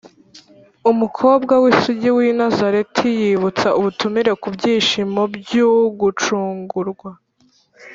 umukobwa w’isugi w’i nazareti yibutsa ubutumire kubyishimo by’ugucungurwa: